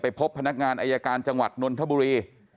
พบพนักงานอายการจังหวัดนนทบุรี